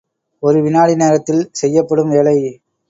ஒரு வினாடி நேரத்தில் செய்யப்படும் வேலை.